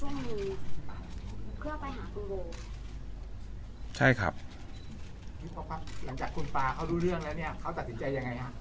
หลังจากคุณป่าเขารู้เรื่องแล้วเนี้ยเขาตัดสินใจยังไงฮะ